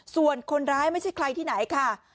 ส่วนคนร้ายไม่ใช่ใครที่ไหนค่ะ